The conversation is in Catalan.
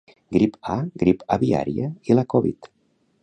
Grip A, grip aviària i la Covid.